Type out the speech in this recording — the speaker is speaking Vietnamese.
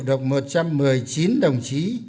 độc một trăm một mươi chín đồng chí